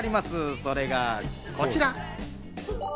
それがこちら。